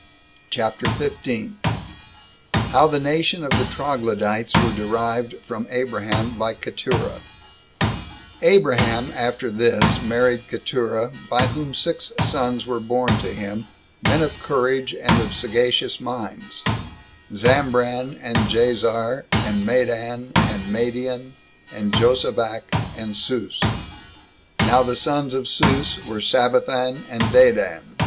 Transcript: CHAPTER 15. How The Nation Of The Troglodytes Were Derived From Abraham By Keturah. Abraham after this married Keturah, by whom six sons were born to him, men of courage, and of sagacious minds: Zambran, and Jazar, and Madan, and Madian, and Josabak, and Sous. Now the sons of Sous were Sabathan and Dadan.